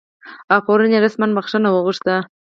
او پرون یې رسما بخښنه وغوښته